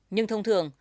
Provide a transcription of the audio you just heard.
nhưng thông thường